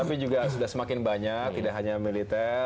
tapi juga sudah semakin banyak tidak hanya militer